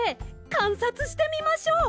かんさつしてみましょう！